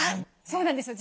そうなんです。